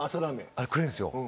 あれくれるんですよ